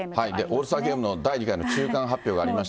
オールスターゲームの第２回の中間発表がありました。